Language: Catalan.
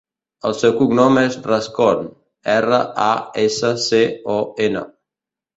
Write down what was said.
El seu cognom és Rascon: erra, a, essa, ce, o, ena.